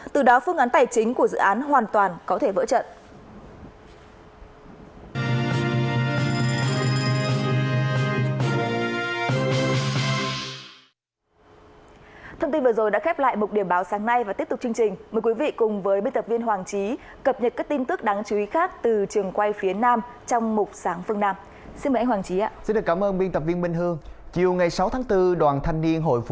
từ đó phương án tài chính của dự án hoàn toàn có thể vỡ trận